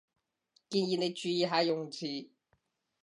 建議你注意下用字